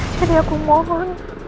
jadi aku mohon